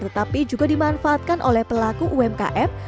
tetapi juga dimanfaatkan oleh pelaku umkm